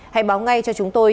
hãy báo ngay cho chúng tôi